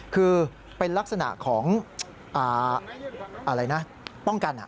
คือเป็นลักษณะของอะไรนะป้องกัน